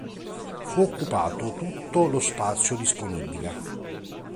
Fu occupato tutto lo spazio disponibile.